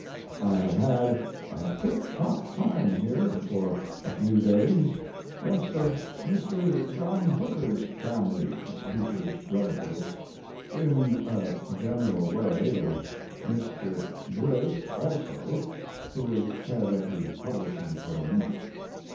I have had a tiptop time here for a few days (guest of Mr. Jno. Hooker's family Beecher's relatives in a general way of Mr. Bliss also, who is head of the publishing firm).